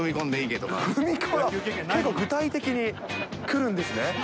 けど具体的に来るんですね。